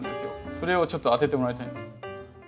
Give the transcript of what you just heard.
それをちょっと当ててもらいたいんです。